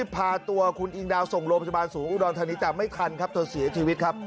ลิบพาตัวคุณอิงดาวส่งรบจมานสู่อุดรณฑณีแต่ไม่ทันเธอเสียชีวิตครับ